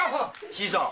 新さん！